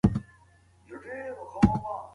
شاه محمود په کرمان کې نهه میاشتې تېرې کړې.